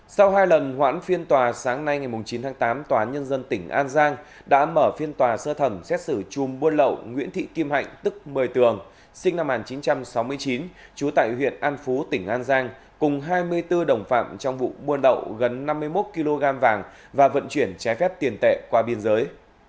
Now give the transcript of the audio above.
sau hai lần hoãn phiên tòa sáng nay ngày chín tháng tám tòa án nhân dân tỉnh an giang đã mở phiên tòa sơ thẩm xét xử chùm buôn lậu nguyễn thị kim hạnh tức một mươi tường sinh năm một nghìn chín trăm sáu mươi chín trú tại huyện an phú tỉnh an giang cùng hai mươi bốn đồng phạm trong vụ buôn lậu gần năm mươi một kg vàng và vận chuyển trái phép tiền tệ qua biên giới